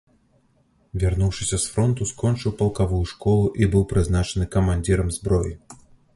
Вярнуўшыся з фронту, скончыў палкавую школу і быў прызначаны камандзірам зброі.